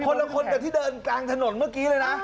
คนละคนกับที่เดินกลางถนนเมื่อกี้เลยนะ